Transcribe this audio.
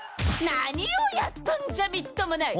何をやっとんじゃみっともない！